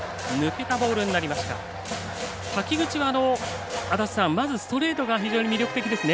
滝口は、まずストレートが非常に魅力的ですね。